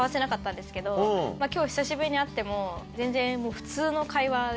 今日久しぶりに会っても全然普通の会話で。